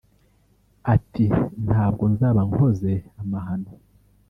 Ati “ Ntabwo nzaba nkoze amahano